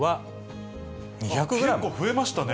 結構増えましたね。